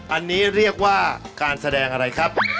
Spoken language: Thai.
อันนี้เรียกว่าการแสดงอะไรครับ